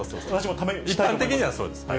一般的にはそうです。